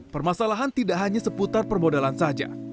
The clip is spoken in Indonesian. permasalahan tidak hanya seputar permodalan saja